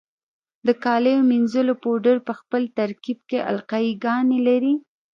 د کالیو منیځلو پوډر په خپل ترکیب کې القلي ګانې لري.